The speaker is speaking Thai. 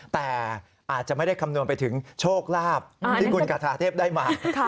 แต่อาจจะไม่ได้คำนวณไปถึงโชคลาภที่คุณคาทาเทพได้มา